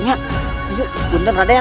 yuk punten raden